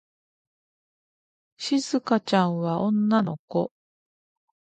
しずかちゃんは女の子。